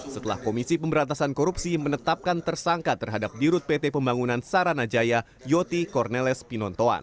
setelah komisi pemberantasan korupsi menetapkan tersangka terhadap dirut pt pembangunan saranajaya yoti corneles pinontoan